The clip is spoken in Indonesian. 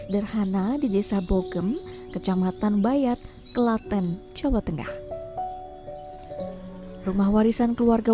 sederhana di desa bogem kecamatan bayat kelaten jawa tengah rumah warisan keluarga